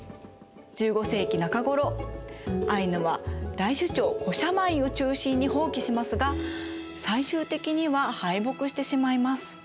１５世紀中頃アイヌは大首長コシャマインを中心に蜂起しますが最終的には敗北してしまいます。